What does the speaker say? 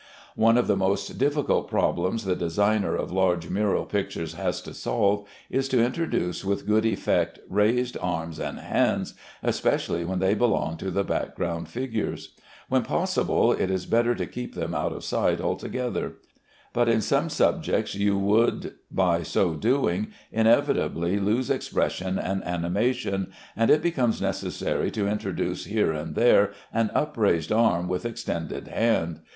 One of the most difficult problems the designer of large mural pictures has to solve, is to introduce with good effect raised arms and hands, especially when they belong to the background figures. When possible, it is better to keep them out of sight altogether; but in some subjects you would by so doing inevitably lose expression and animation, and it becomes necessary to introduce here and there an upraised arm with extended hand.